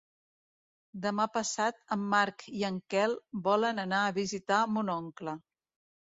Demà passat en Marc i en Quel volen anar a visitar mon oncle.